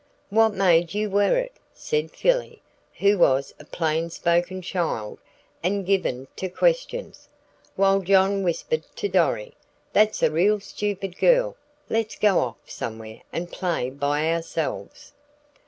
"What made you wear it?" said Philly, who was a plain spoken child, and given to questions. While John whispered to Dorry, "That's a real stupid girl. Let's go off somewhere and play by ourselves."